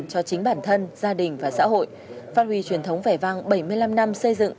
cho chính bản thân gia đình và xã hội phát huy truyền thống vẻ vang bảy mươi năm năm xây dựng